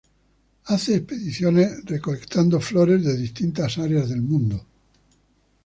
Hace expediciones recolectando flora de distintas áreas del mundo, e.g.